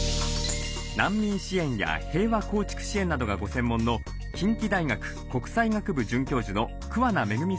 難民支援や平和構築支援などがご専門の近畿大学国際学部准教授の桑名恵さんに伺いました。